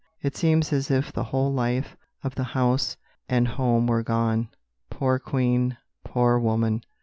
It seems as if the whole life of the house and home were gone." Poor Queen, poor woman!